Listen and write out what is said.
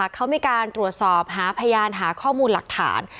เขามีการตรวจสอบหาพยานหาข้อมูลหลักฐาน